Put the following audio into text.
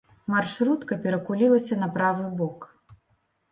Маршрутка перакулілася на правы бок.